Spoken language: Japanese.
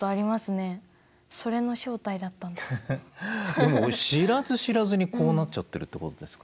でも知らず知らずにこうなっちゃってるってことですか？